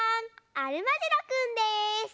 アルマジロくんです！